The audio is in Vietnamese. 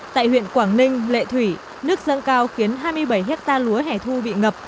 tại huyện quảng ninh lệ thủy nước dâng cao khiến hai mươi bảy hectare lúa hẻ thu bị ngập